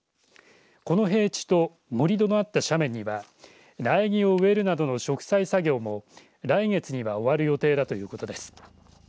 この平地と盛り土のあった斜面には苗木を植えるなどの植栽作業も来月には終わる予定だということです。